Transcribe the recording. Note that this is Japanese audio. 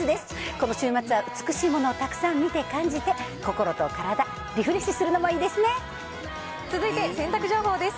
この週末は美しいものをたくさん見て、感じて、心と体、リフレッ続いて、洗濯情報です。